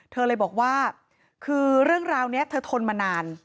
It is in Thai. เธอเลยบอกว่าคือเรื่องราวนี้เธอทนมานาน